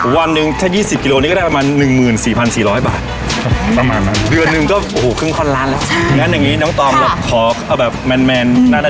วันนึงถ้ายี่สิบกิโลนี่ก็ได้ประมาณหนึ่งหมื่นสี่พานสี่ร้อยบาทประมาณนั้น